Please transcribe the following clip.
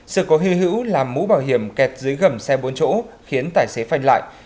sự cố hư hữu làm mũ bảo hiểm kẹt dưới gầm xe bốn chỗ khiến tài xế phanh lại